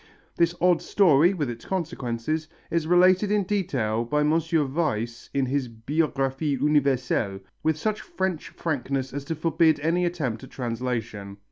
This odd story, with its consequences, is related in detail by M. Weiss in his Biographie Universelle, with such French frankness as to forbid any attempt at translation.